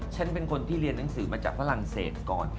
ฉันเป็นคนที่เรียนหนังสือมาจากฝรั่งเศสก่อน